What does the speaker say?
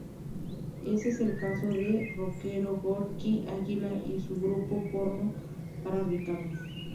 Ese es el caso del rockero Gorki Águila y su grupo Porno para Ricardo.